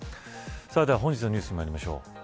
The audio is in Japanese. では本日のニュースにまいりましょう。